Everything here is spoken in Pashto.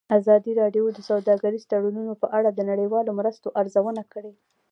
ازادي راډیو د سوداګریز تړونونه په اړه د نړیوالو مرستو ارزونه کړې.